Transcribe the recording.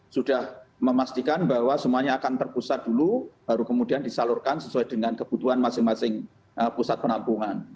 sudah memastikan bahwa semuanya akan terpusat dulu baru kemudian disalurkan sesuai dengan kebutuhan masing masing pusat penampungan